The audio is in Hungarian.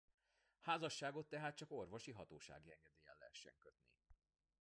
Házasságot tehát csak orvosi-hatósági engedéllyel lehessen kötni.